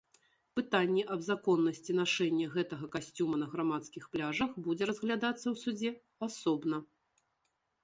Пытанне аб законнасці нашэння гэтага касцюма на грамадскіх пляжах будзе разглядацца ў судзе асобна.